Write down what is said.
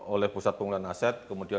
oleh pusat penggunaan aset kemudian